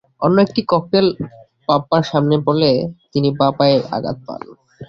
অন্য একটি ককটেল বাপ্পার সামনে পড়লে তিনি বাঁ পায়ে আঘাত পান।